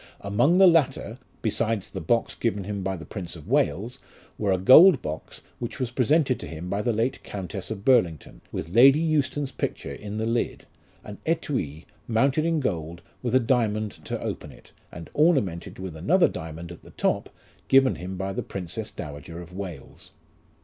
Among the latter (besides the box given him by the Prince of Wales) were a gold box, which was presented to him by the late Countess of Burlington, with Lady Euston's picture in the lid, an 6tui, mounted in gold, with a diamond to open it, and ornamented with another diamond at the top, given him by the Princess Dowager of Wales.